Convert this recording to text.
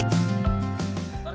lontong akan bertukar